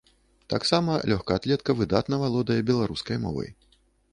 Таксама лёгкаатлетка выдатна валодае беларускай мовай.